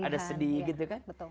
ada sedih gitu kan